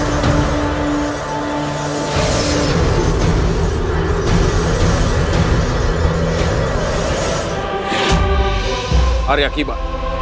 saya akan memperbaikinya